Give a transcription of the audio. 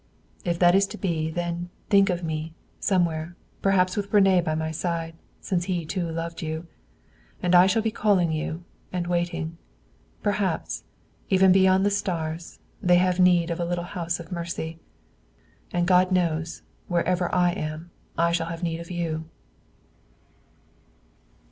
"If that is to be, then think of me, somewhere, perhaps with René by my side, since he, too, loved you. And I shall still be calling you, and waiting. Perhaps, even beyond the stars, they have need of a little house of mercy. And God knows, wherever I am, I shall have need of you."